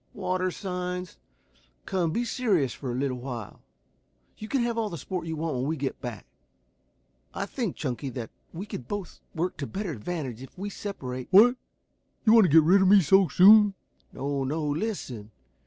"Water signs. Come, be serious for a little while. You can have all the sport you want when we get back. I think, Chunky, that we can both work to better advantage if we separate " "What, you want to get rid of me so soon?" "No, no! Listen!